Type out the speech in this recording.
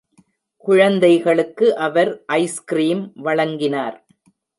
குழந்தைகளுக்கு அவர் ஐஸ்கிரீம் வழங்கினார்.